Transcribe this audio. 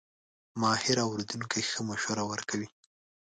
ماهر اورېدونکی ښه مشوره ورکوي.